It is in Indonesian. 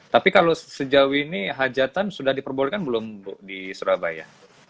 tapi kalau sejauh ini hajatan sudah diperbolehkan belum bu di surabaya